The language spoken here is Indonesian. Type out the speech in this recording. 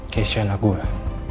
kece anak gue